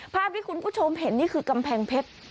ภาพที่คุณผู้ชมเห็นนี่คือกำแพงเพชร